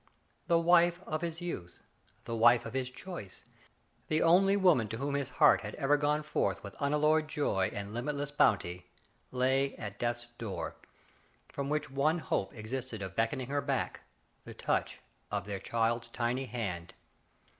The wife of his youth, the wife of his choice, the only woman to whom his heart had ever gone forth with unalloyed joy and limitless bounty, lay at death's door, from which one hope existed of beckoning her back — the touch of their child's tiny hand.